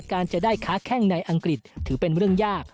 การจะได้ค้าแข้งในอังกฤษถือเป็นเรื่องยาก